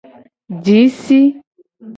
Ji si.